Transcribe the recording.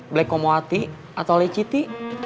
black komoati atau leciti